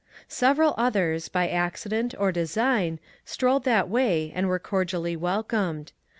Several others, by accident or design, strolled that way and were cordially wel comed.